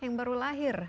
yang baru lahir